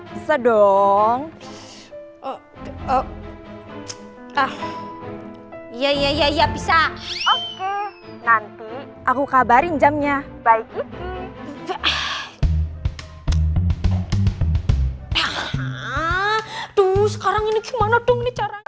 bisa dong oh ah iya iya iya bisa nanti aku kabarin jamnya baik itu tuh sekarang ini gimana dong